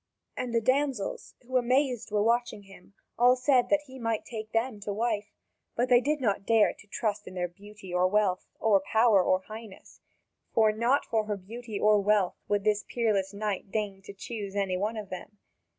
And the damsels, who amazed were watching him, all said that he might take them to wife; but they did not dare to trust in their beauty or wealth, or power or highness, for not for her beauty or wealth would this peerless knight deign to choose any one of them.